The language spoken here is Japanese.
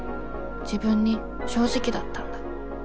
自分に正直だったんだ。